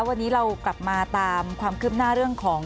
วันนี้เรากลับมาตามความคืบหน้าเรื่องของ